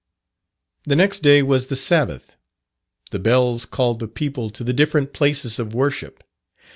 "The next day was the Sabbath. The bells called the people to the different places of worship.